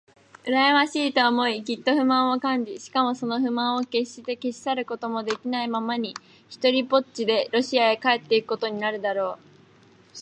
うらやましいと思い、きっと不満を感じ、しかもその不満をけっして消し去ることもできないままに、ひとりぽっちでロシアへ帰っていくことになるだろう。